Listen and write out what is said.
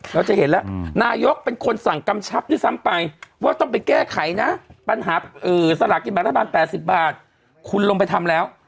เราจะเห็นแล้วนายกเป็นคนสั่งกำชับด้วยซ้ำไปว่าต้องไปแก้ไขนะปัญหาสลากกินแบบรัฐบาล๘๐บาทคุณลงไปทำแล้ว